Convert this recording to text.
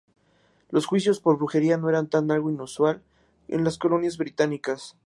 Los juicios por brujería no eran algo inusual en las Colonias Británicas.